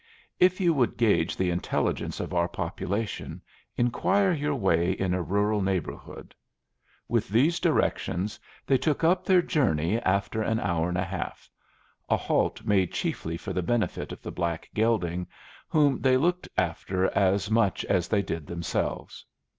If you would gauge the intelligence of our population, inquire your way in a rural neighborhood. With these directions they took up their journey after an hour and a half, a halt made chiefly for the benefit of the black gelding, whom they looked after as much as they did themselves.